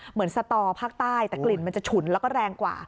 สตอภาคใต้แต่กลิ่นมันจะฉุนแล้วก็แรงกว่า